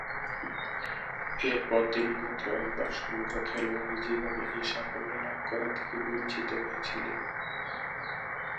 এরপর তিনি মাত্র একবার সমগ্র খেলোয়াড়ী জীবনে এ সাফল্য লাভ করা থেকে বঞ্চিত হয়েছিলেন।